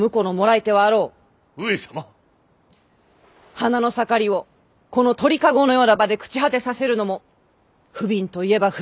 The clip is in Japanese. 花の盛りをこの鳥籠のような場で朽ち果てさせるのも不憫といえば不憫。